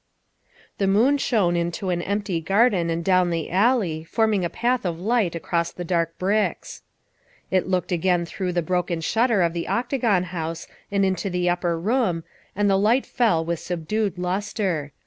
The moon shone into an empty garden and down the alley, forming a path of light across the dark bricks. It looked again through the broken shutter of the Octagon House and into the upper room, and the light fell with subdued lustre.